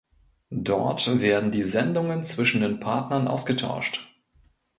Dort werden die Sendungen zwischen den Partnern ausgetauscht.